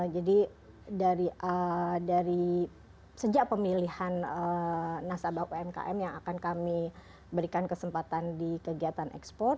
jadi dari sejak pemilihan nasabah umkm yang akan kami berikan kesempatan di kegiatan ekspor